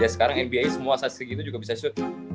ya sekarang nba semua saat segitu juga bisa shoot